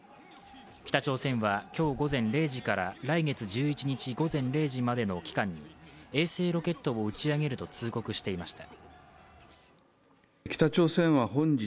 北朝鮮は今日午前０時から来月１１日午前０時までの期間に衛星ロケットを打ち上げると通告していました。